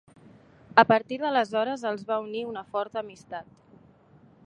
A partir d'aleshores els va unir una forta amistat.